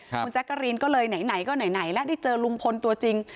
คุณแจ๊กกะรีนก็เลยไหนก็ไหนแล้วได้เจอลุงพลตัวจริง